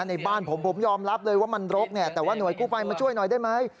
ในบ้านผมผมยอมรับเลยว่ามันรกเนี่ยแต่ว่าหน่วยกู้ภัยมาช่วยหน่อยได้ไหม